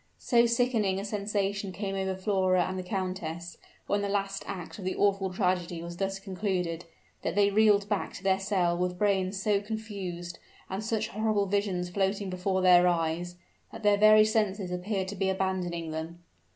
So sickening a sensation came over Flora and the countess, when the last act of the awful tragedy was thus concluded, that they reeled back to their cell with brains so confused, and such horrible visions floating before their eyes, that their very senses appeared to be abandoning them.